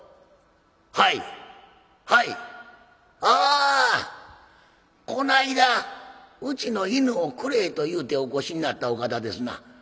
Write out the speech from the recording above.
「はいはいあこないだうちの犬をくれと言うてお越しになったお方ですな。